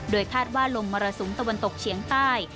คาดว่าลมมรสุมตะวันตกเฉียงใต้